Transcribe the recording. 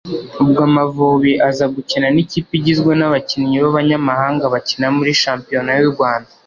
ubwo Amavubi aza gukina n’ikipe igizwe n’abakinnyi b’abanyamahanga bakina muri shampiyona y’u Rwanda